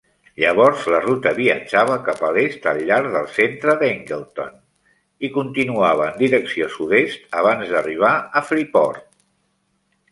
Llavors la ruta viatjava cap a l'est al llarg del centre d'Angleton, i continuava en direcció sud-est abans d'arribar a Freeport.